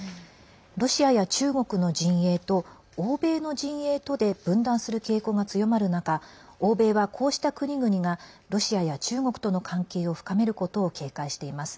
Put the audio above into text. ロシアや中国の陣営と欧米の陣営とで分断する傾向が強まる中欧米は、こうした国々がロシアや中国との関係を深めることを警戒しています。